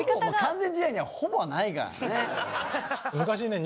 「完全試合にはほぼはないからね」